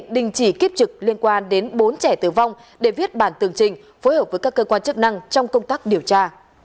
đình chỉ kiếp trực liên quan đến bốn trẻ tử vong để viết bản tường trình phối hợp với các cơ quan chức năng trong công tác điều tra